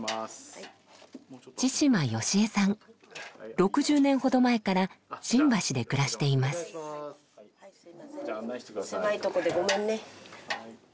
６０年ほど前から新橋で暮らしています。